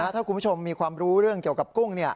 ถ้าคุณผู้ชมมีความรู้เรื่องเกี่ยวกับกุ้ง